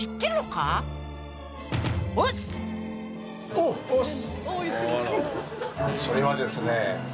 おっ押っ忍！